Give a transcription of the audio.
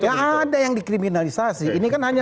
ya ada yang dikriminalisasi ini kan hanya